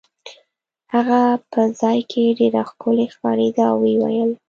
هغه په ځای کې ډېره ښکلې ښکارېده او ویې ویل.